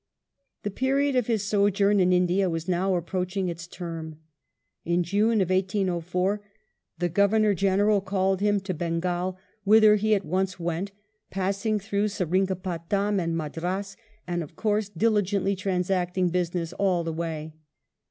The period of his sojourn in India was now approach ing its term. In June, 1804, the Governor General called him to Bengal, whither he at once went, passing through Seringapatam and Madras, and, of course, diligently transacting business all the way.